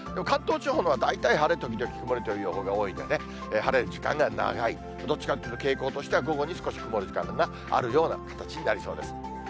関東地方は大体晴れ時々曇りという予報が多いんでね、晴れる時間が長い、どっちかというと、傾向としては午後に少し曇る時間があるような形になりそうです。